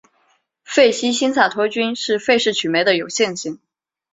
费希新萨托菌是费氏曲霉的有性型。